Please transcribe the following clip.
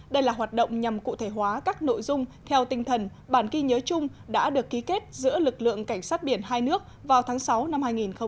đây là hoạt động nhằm cụ thể hóa các nội dung theo tinh thần bản ghi nhớ chung đã được ký kết giữa lực lượng cảnh sát biển hai nước vào tháng sáu năm hai nghìn một mươi chín